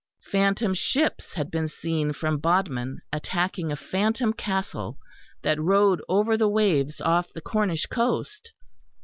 Phantom ships had been seen from Bodmin attacking a phantom castle that rode over the waves off the Cornish coast.